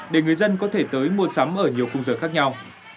để người dân có thể tới mua sắm ở nhiều khung giờ khác nhau